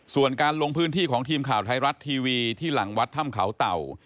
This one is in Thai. ส่วนการลงพื้นที่ของทีมข่าวไทยรัฐทีวีที่หลังวัดถ้ำเขาเต่า